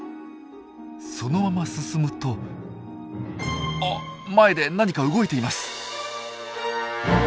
そのまま進むとあっ前で何か動いています！